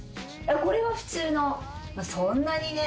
これは普通のそんなにね